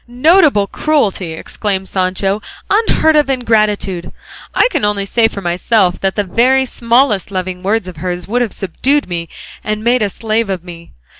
"Notable cruelty!" exclaimed Sancho; "unheard of ingratitude! I can only say for myself that the very smallest loving word of hers would have subdued me and made a slave of me.